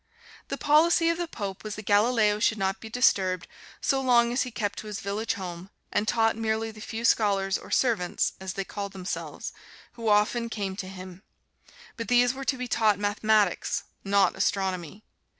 The policy of the Pope was that Galileo should not be disturbed so long as he kept to his village home and taught merely the few scholars or "servants," as they called themselves, who often came to him; but these were to be taught mathematics, not astronomy.